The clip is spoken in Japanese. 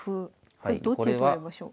これどっちで取りましょう？